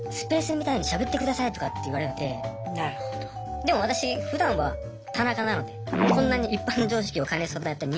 でも私ふだんは田中なのでこんなに一般常識を兼ね備えた人間なので。